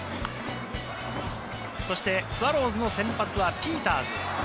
そしてスワローズの先発はピーターズ。